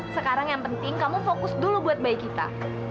sekarang yang penting kamu fokus dulu buat bayi kita